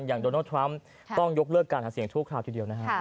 อย่างโดนัลด์ทรัมป์ต้องยกเลิกการหาเสียงทุกคราวทีเดียวนะครับ